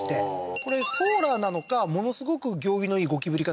これソーラーなのかものすごく行儀のいいゴキブリかどっちかです